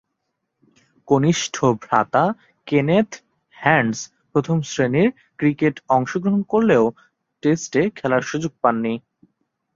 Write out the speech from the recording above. কনিষ্ঠ ভ্রাতা Kenneth Hands প্রথম-শ্রেণীর ক্রিকেটে অংশগ্রহণ করলেও টেস্টে খেলার সুযোগ পাননি।